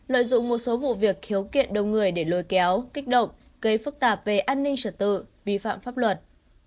lợi dụng một số vụ việc khiếu kiện đông người để lôi kéo kích động gây phức tạp về an ninh trật tự vi phạm pháp luật